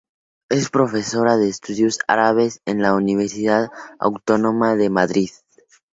Es profesora de Estudios árabes en la Universidad Autónoma de Madrid.